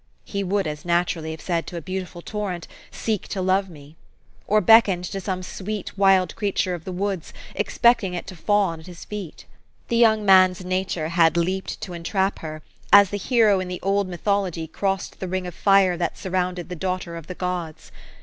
He would as naturally have said to a beautiful torrent, " Seek to love me ;" or beckoned to some sweet, wild creature of the woods, expecting it to fawn at his feet. The young man's nature had leaped to entrap her, as the hero in the old mythology crossed the ring of fire that surrounded the daughter of the gods.